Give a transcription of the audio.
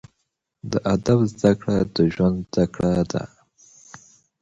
د ادب زده کړه، د ژوند زده کړه ده.